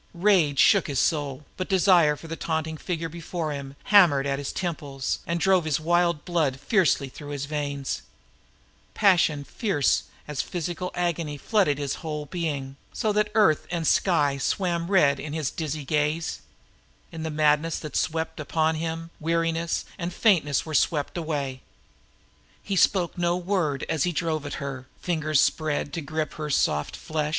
Rage shook his soul, but desire for the taunting figure before him hammered at his temples and drove his wild blood riotiously through his veins. Passion fierce as physical agony flooded his whole being so that earth and sky swam red to his dizzy gaze, and weariness and faintness were swept from him in madness. He spoke no word as he drove at her, fingers hooked like talons.